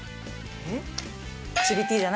えっ？